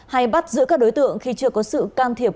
hay bắt giữ các đối tượng khi chưa có sự can thiệp